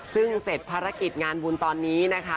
ซึ่งเสร็จภารกิจงานบุญตอนนี้นะคะ